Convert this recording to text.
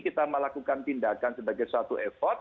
kita melakukan tindakan sebagai satu